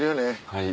はい。